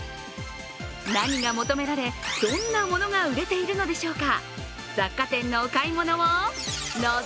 何が求められ、どんなものが売れているのでしょうか。